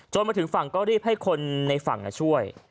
มาถึงฝั่งก็รีบให้คนในฝั่งช่วย